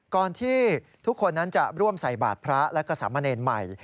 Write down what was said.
ก่อนที่ทุกคนนั้นจะร่วมใส่บาทพระและก็สามเณรใหม่